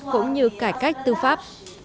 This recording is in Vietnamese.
cũng như cải cách tư pháp